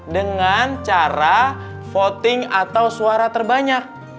dengan cara voting atau suara terbanyak